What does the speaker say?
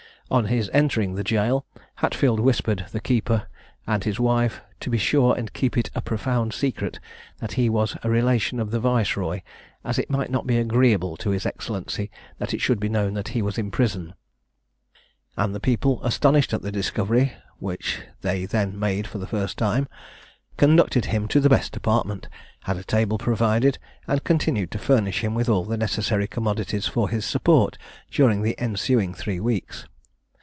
On his entering the jail, Hatfield whispered the keeper and his wife, "to be sure and keep it a profound secret that he was a relation of the viceroy, as it might not be agreeable to his Excellency, that it should be known that he was in prison;" and the people, astonished at the discovery, which they then made for the first time, conducted him to the best apartment, had a table provided, and continued to furnish him with all the necessary commodities for his support during the ensuing three weeks.